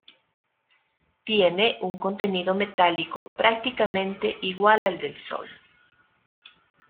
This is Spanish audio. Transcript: Tiene un contenido metálico prácticamente igual al del Sol.